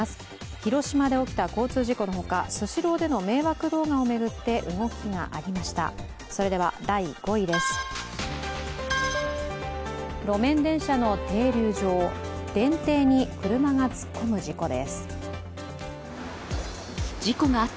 広島で起きた交通事故のほかスシローでも迷惑動画を巡って動きがありました。